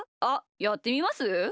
あっやってみます？